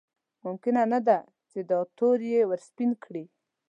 ممکن نه ده چې دا تور یې ورسپین کړي.